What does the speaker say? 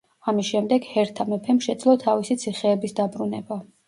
ამის შემდეგ ჰერთა მეფემ შეძლო თავისი ციხეების დაბრუნება.